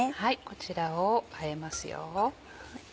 こちらをあえますよ。